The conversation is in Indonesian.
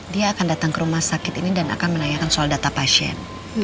dia akan datang ke rumah sakit ini dan akan menanyakan soal data pasien